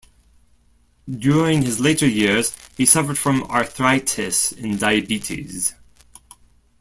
During his later years, he suffered from arthritis and diabetes.